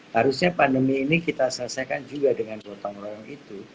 harusnya pandemi ini kita selesaikan juga dengan gotong royong itu